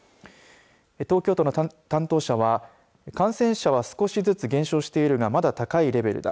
東京都の担当者は感染者は少しずつ減少しているがまだ高いレベルだ。